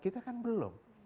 kita kan belum